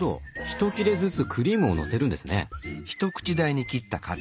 ひと切れずつクリームをのせるんですね。